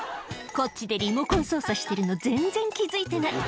「こっちでリモコン操作してるの全然気付いてない」